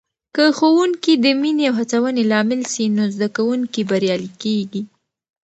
که ښوونکې د مینې او هڅونې لامل سي، نو زده کوونکي بریالي کېږي.